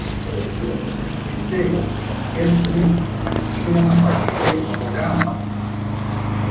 Ese uyu mukecuru hari icyo yamufashije mu rugamba